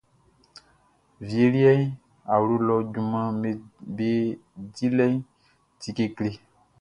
Wie liɛʼn, awlo lɔ junmanʼm be dilɛʼn ti kekle.